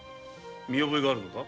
見覚えがあるのか？